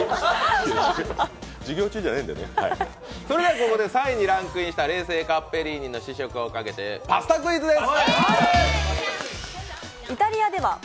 ここで３位にランクインした冷製カッペリーニの試食をかけてパスタクイズです。